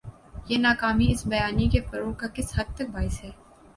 یہ ناکامی اس بیانیے کے فروغ کا کس حد تک باعث ہے؟